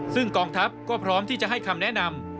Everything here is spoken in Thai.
ซึ่งกองทัพก็พร้อมที่จะให้คำแนะนำ